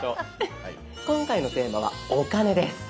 今回のテーマは「お金」です。